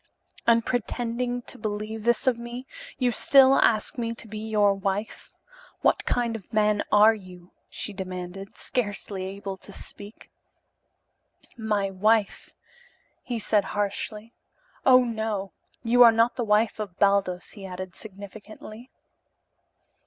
"And pretending to believe this of me, you still ask me to be your wife. What kind of a man are you?" she demanded, scarcely able to speak. "My wife?" he said harshly. "Oh, no. You are not the wife of Baldos," he added significantly.